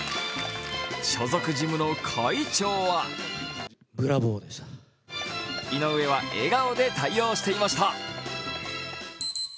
所属ジムの会長は井上は笑顔で対応していました。